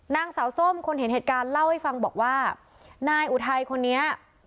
นางสาวส้มคนเห็นเหตุการณ์เล่าให้ฟังบอกว่านายอุทัยคนนี้